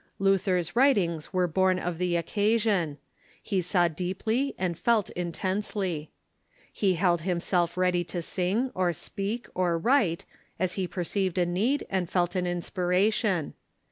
Luther's writings were born of the occasion. He saw deeply and felt intensel}'. He held himself ready to sing, or speak, or write, as he perceived a need and felt an inspiration.